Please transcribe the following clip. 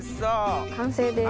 完成です。